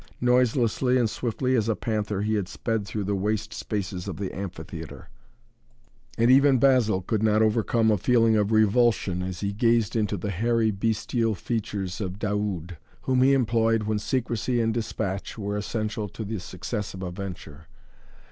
Noiselessly and swiftly as a panther he had sped through the waste spaces of the amphitheatre, and even Basil could not overcome a feeling of revulsion as he gazed into the hairy, bestial features of Daoud, whom he employed when secrecy and despatch were essential to the success of a venture.